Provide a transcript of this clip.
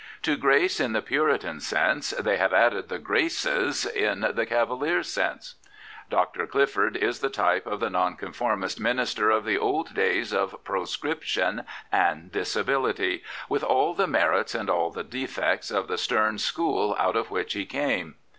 To grace in the Puritan sense they have added the graces in the Cavalier sense. Dr. Clifford is the type of the Nonconformist minister of the old days of proscription and disability, with all the merits and all the defects of the stern school out of which he came.